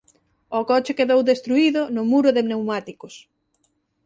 O coche quedou destruído no muro de pneumáticos.